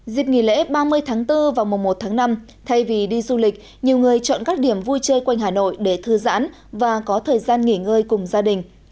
dịp nghỉ lễ ba mươi tháng bốn và mùa một tháng năm thay vì đi du lịch nhiều người chọn các điểm vui chơi quanh hà nội để thư giãn và có thời gian nghỉ ngơi cùng gia đình